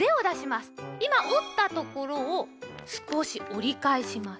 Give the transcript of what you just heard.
いまおったところをすこしおりかえします。